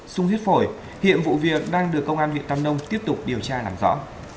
sung huyết phổi hiện vụ việc đang được công an huyện tân nông tiếp tục điều tra làm rõ